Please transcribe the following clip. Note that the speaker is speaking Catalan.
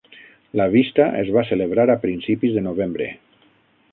La vista es va celebrar a principis de novembre.